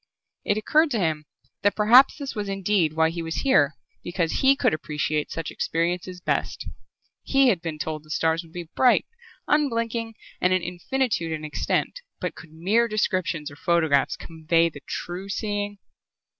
It occurred to him that perhaps this was indeed why he was here, because he could appreciate such experiences best. He had been told the stars would be bright, unblinking, and an infinitude in extent, but could mere descriptions or photographs convey the true seeing?